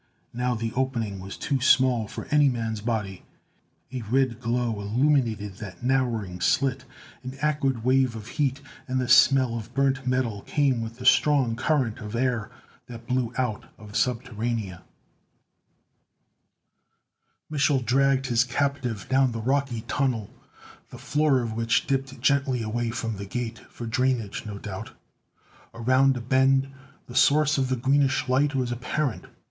Now the opening was too small for any man's body. A red glow illuminated that narrowing slit; an acrid wave of heat, and the smell of burnt metal came with the strong current of air that blew out of Subterranea. Mich'l dragged his captive down the rocky tunnel, the floor of which dipped gently away from the Gate; for drainage, no doubt. Around a bend, the source of the greenish light was apparent.